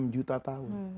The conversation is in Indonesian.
enam juta tahun